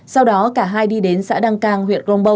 sau đó cả hai đi đến xã đăng kỳ